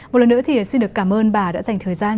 một lần nữa thì xin được cảm ơn bà đã dành thời gian